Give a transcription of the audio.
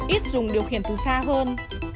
ít dùng điều khiển từ xa hơn